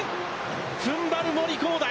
踏ん張る森煌誠。